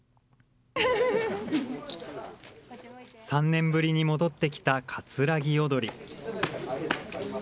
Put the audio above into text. ３年ぶりに戻ってきた葛城踊り。